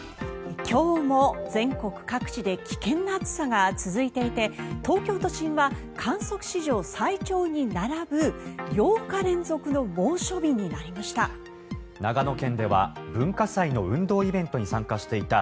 今日も全国各地で危険な暑さが続いていて東京都心は観測史上最長に並ぶ８日連続の猛暑日になりました。